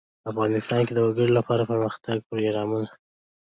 افغانستان کې د وګړي لپاره دپرمختیا پروګرامونه شته.